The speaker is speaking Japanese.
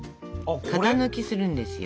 型抜きするんですよ。